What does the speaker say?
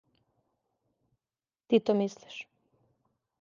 Ти то мислиш.